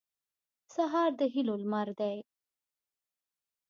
سهار د هیلو لمر دی.